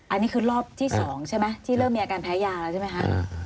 อันนี้คือรอบที่๒ใช่ไหมที่เริ่มมีอาการแพ้ยาแล้วใช่ไหมคะ